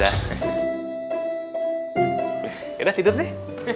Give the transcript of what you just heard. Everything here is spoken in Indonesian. ya udah tidur deh